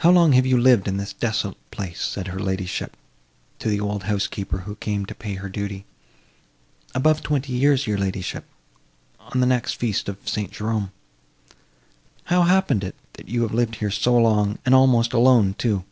"How long have you lived in this desolate place?" said her ladyship, to the old housekeeper, who came to pay her duty. "Above twenty years, your ladyship, on the next feast of St. Jerome." "How happened it, that you have lived here so long, and almost alone, too?